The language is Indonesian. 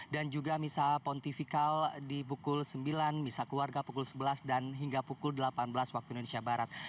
dan juga misah pontifikal di pukul sembilan misah keluarga pukul sebelas dan hingga pukul delapan belas waktu indonesia barat